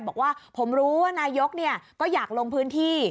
บอกว่าผมรู้ว่านายกก็อยากลงพื้นที่